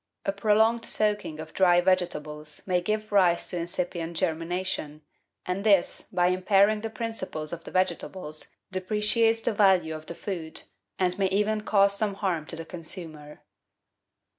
A prolonged soaking of dry vegetables may give rise to incipient germination, and this, by impairing the principles of the vegetables, depreciates the value of the food, and may even cause some harm to the consumer.